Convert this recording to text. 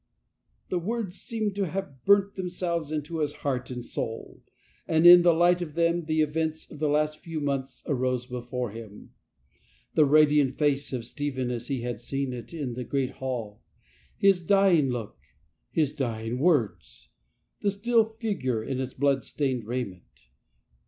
The words seemed to have burnt themselves into his heart and soul, and in the light of them the events of the last few months arose before him. The radiant face of Stephen as he had seen it in , the great hall, his dying look, his dying words, the still figure in its blood stained raiment.